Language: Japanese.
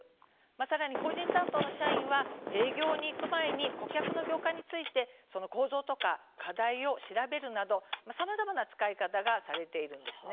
さらに、法人担当の社員は営業に行く前に顧客の業界についてその構造とか課題を調べるなどさまざまな使い方がされているんです。